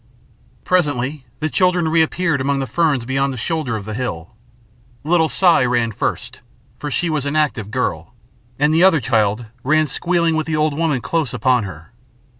Presently the children reappeared among the ferns beyond the shoulder of the hill. Little Si ran first, for she was an active girl, and the other child ran squealing with the old woman close upon her.